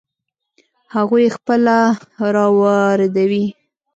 هغوی یې خپله را واردوي.